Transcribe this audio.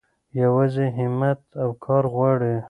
يوازې هيمت او کار غواړي.